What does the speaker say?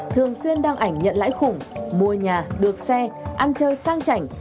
thường xuyên đăng ảnh nhận lãi khủng mua nhà được xe ăn chơi sang chảnh